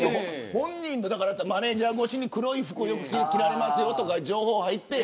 マネジャー越しに黒い服をよく着られますよとか情報が入って。